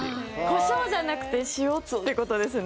コショウじゃなくて塩ってことですね。